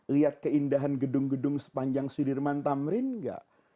lihat keindahan gedung gedung sepanjang sudirman tamrin gak